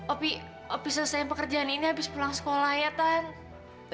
opi selesain pekerjaan ini abis pulang sekolah ya tante